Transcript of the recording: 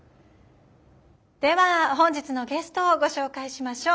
では本日のゲストをご紹介しましょう。